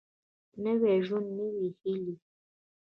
نوی ژوند نوي هېلې